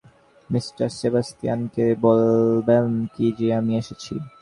Mr সেবাস্টিয়ানকে বলবেন কি যে আমি এসেছি?